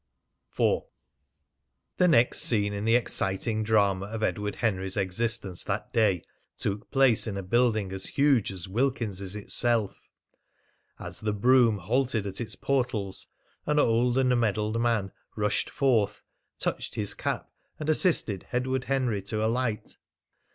IV. The next scene in the exciting drama of Edward Henry's existence that day took place in a building as huge as Wilkins's itself. As the brougham halted at its portals an old and medalled man rushed forth, touched his cap, and assisted Edward Henry to alight.